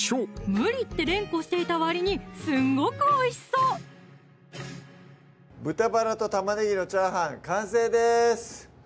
「無理」って連呼していたわりにすごくおいしそう「豚バラと玉ねぎの炒飯」完成です